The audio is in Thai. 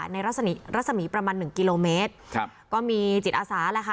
รัศมีรัศมีประมาณหนึ่งกิโลเมตรครับก็มีจิตอาสาแหละค่ะ